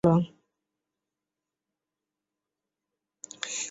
চাবিটার দিকে এমন ভঙ্গিতে তাকাল, যেন ঘিনঘিনে শুঁয়োপোকা, তারপর পকেটে ভরে রাখল।